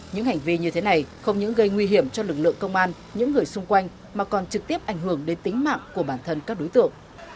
những hành vi như thế này không những gây nguy hiểm cho lực lượng công an những người xung quanh mà còn trực tiếp ảnh hưởng đến tính mạng của bản thân các đối tượng